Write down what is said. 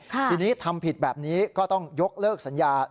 ทีนี้ทำผิดแบบนี้ก็ต้องยกเลิกสัญญา